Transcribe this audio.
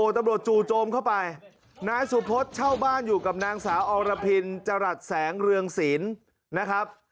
ตำรวจจู่โจมเข้าไปนายสุพศเช่าบ้านอยู่กับนางสาวอรพินจรัสแสงเรืองศีลนะครับ